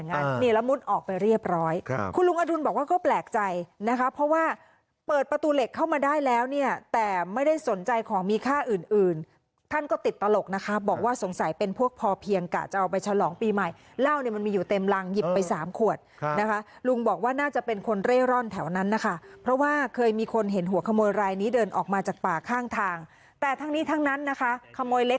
แล้วมุดออกไปเรียบร้อยคุณลุงอดุลบอกว่าก็แปลกใจนะคะเพราะว่าเปิดประตูเหล็กเข้ามาได้แล้วเนี่ยแต่ไม่ได้สนใจของมีค่าอื่นอื่นท่านก็ติดตลกนะคะบอกว่าสงสัยเป็นพวกพอเพียงกะจะเอาไปฉลองปีใหม่เหล้าเนี่ยมันมีอยู่เต็มรังหยิบไปสามขวดนะคะลุงบอกว่าน่าจะเป็นคนเร่ร่อนแถวนั้นนะคะเพราะว่าเคยมีคนเห็นหัวขโมยรายนี้เดินออกมาจากป่าข้างทางแต่ทั้งนี้ทั้งนั้นนะคะขโมยเล็ก